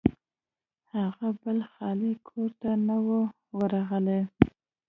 هغه بل خالي کور ته نه و ورغلی.